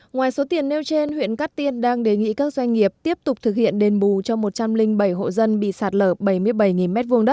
ngoài số tiền nêu trên huyện cát tiên đang đề nghị các doanh nghiệp tiếp tục thực hiện đền bù cho một trăm linh bảy hộ dân bị sạt lở bảy mươi bảy m hai